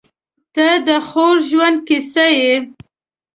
• ته د خوږ ژوند کیسه یې.